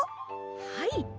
はい！